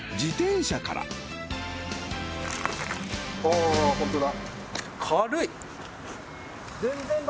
あホントだ